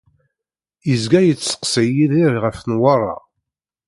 Yezga yesteqsay Yidir ɣef Newwara.